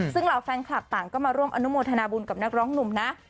ซึ่งเหล่าแฟนคลับต่างก็มาร่วมอนุโมทนาบุญกับนักร้องหนุ่มนะ